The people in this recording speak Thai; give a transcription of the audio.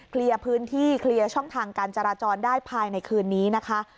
เคลียร์พื้นที่เคลียร์ช่องทางการจราจรได้ภายในคืนนี้นะคะ